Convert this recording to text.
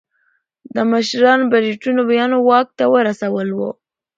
دا مشران برېټانویانو واک ته ورسول وو.